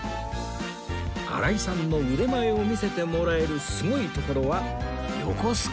新井さんの腕前を見せてもらえるすごい所は横須賀市内